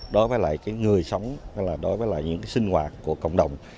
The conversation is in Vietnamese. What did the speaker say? đối với người sống đối với những sinh hoạt của cộng đồng